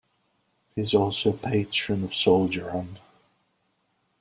He is also a Patron of Soldier On!